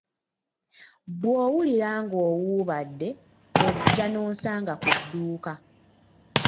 Bw'owulira ng'owuubadde ojja n'onsanga ku dduuka.